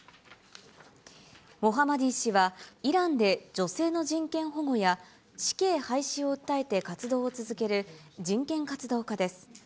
モハマディ氏は、イランで女性の人権保護や、死刑廃止を訴えて活動を続ける人権活動家です。